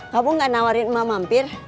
kamu gak nawarin emak mampir